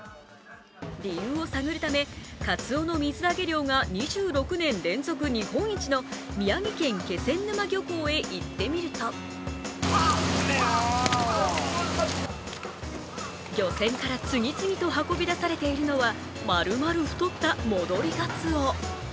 理由を探るため、かつおの水揚げ量が２６年連続日本一の宮城県・気仙沼漁協へ行ってみると漁船から次々と運び出されているのはまるまる太った戻りがつお。